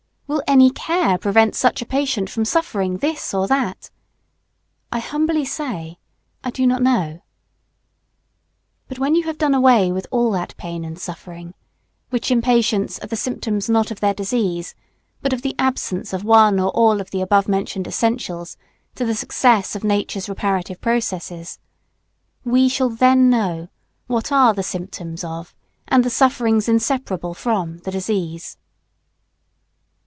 Will any care prevent such a patient from suffering this or that? I humbly say, I do not know. But when you have done away with all that pain and suffering, which in patients are the symptoms not of their disease, but of the absence of one or all of the above mentioned essentials to the success of Nature's reparative processes, we shall then know what are the symptoms of and the sufferings inseparable from the disease.